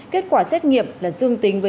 kết quả xét nghiệm là dương tính